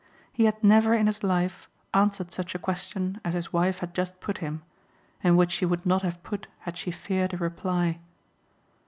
He had never in his life answered such a question as his wife had just put him and which she would not have put had she feared a reply.